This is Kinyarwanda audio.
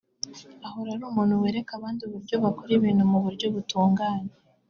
ahora ari umuntu wereka abandi uburyo bakora ibintu mu buryo butunganye